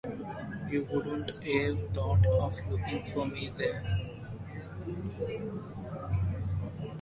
You wouldn't 'ave thought of looking for me there.